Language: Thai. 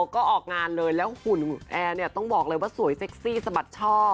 ก็ออกงานเลยแล้วหุ่นแอร์เนี่ยต้องบอกเลยว่าสวยเซ็กซี่สะบัดช่อ